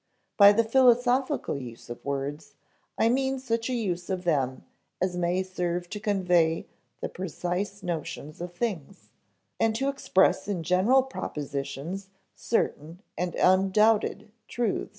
By the philosophical use of words, I mean such a use of them as may serve to convey the precise notions of things, and to express in general propositions certain and undoubted truths."